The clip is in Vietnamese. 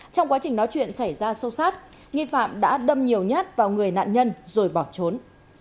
trong quá trình nói chuyện xảy ra sâu sát nghi phạm đã đâm nhiều nhát vào người nạn nhân rồi bỏ trốn